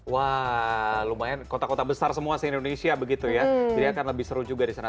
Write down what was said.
wah lumayan kota kota besar semua se indonesia begitu ya jadi akan lebih seru juga di sana